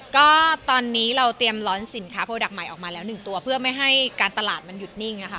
ก็ตอนนี้เราเตรียมร้อนสินค้าโปรดักต์ใหม่ออกมาแล้ว๑ตัวเพื่อไม่ให้การตลาดมันหยุดนิ่งนะคะ